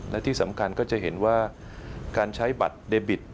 และที่สำคัญก็จะเห็นว่าการใช้บัตรเดบิต